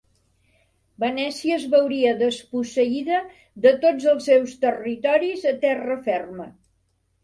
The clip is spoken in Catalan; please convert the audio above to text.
Venècia es veuria desposseïda de tots els seus territoris a terra ferma.